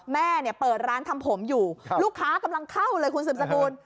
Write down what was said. แม่เปิดร้านทำผมอยู่ลูกค้ากำลังเข้าเลยคุณศึกษกูล